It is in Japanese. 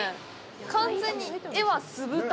完全に絵は酢豚。